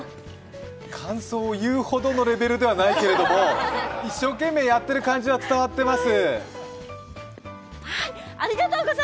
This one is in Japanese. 感想を言うほどのレベルではないけれども、一生懸命やっている感じは伝わっています。